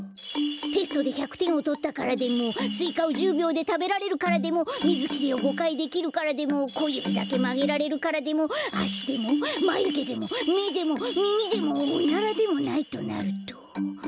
テストで１００てんをとったからでもスイカを１０びょうでたべられるからでもみずきりを５かいできるからでもこゆびだけまげられるからでもあしでもまゆげでもめでもみみでもおならでもないとなると。